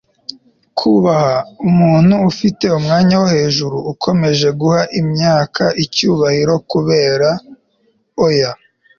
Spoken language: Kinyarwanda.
kubaha - umuntu ufite umwanya wo hejuru ukomeje guha imyaka icyubahiro kubera. oya